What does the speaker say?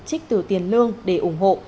trích từ tiền lương để ủng hộ